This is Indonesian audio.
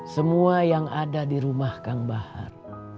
semua yang ada di rumah kang bahar